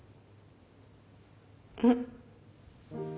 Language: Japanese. うん。